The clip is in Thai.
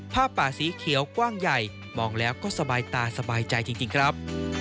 ผ้าป่าสีเขียวกว้างใหญ่มองแล้วก็สบายตาสบายใจจริงครับ